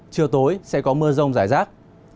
chiều tối sẽ có mưa rông rải rác